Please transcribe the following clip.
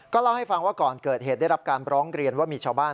เล่าให้ฟังว่าก่อนเกิดเหตุได้รับการร้องเรียนว่ามีชาวบ้าน